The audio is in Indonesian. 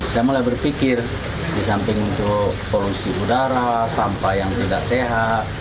saya mulai berpikir di samping untuk polusi udara sampah yang tidak sehat